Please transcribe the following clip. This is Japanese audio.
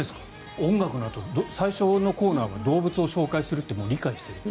音楽のあと最初のコーナーが動物を紹介するって理解しているという。